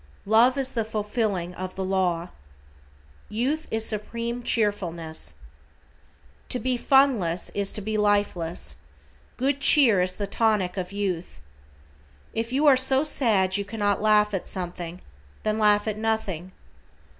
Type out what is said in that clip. "Love is the fulfilling of the law." =YOUTH IS SUPREME CHEERFULNESS:= To be funless is to be lifeless. Good cheer is the tonic of youth. If you are so sad you cannot laugh at something, then laugh at nothing.